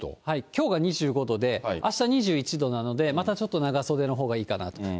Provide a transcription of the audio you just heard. きょうが２５度で、あした２１度なので、またちょっと長袖のほうがいいかなと。